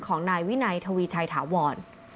ของนายวินัยทวีชัยถาวร